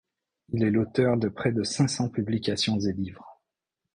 Il est l’auteur de près de cinq cents publications et livres.